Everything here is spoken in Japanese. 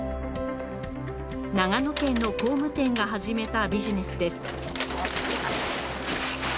長野県の工務店が始めたビジネスです